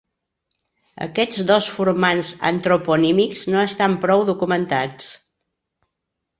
Aquests dos formants antroponímics no estan prou documentats.